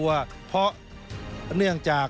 ส่วนต่างกระโบนการ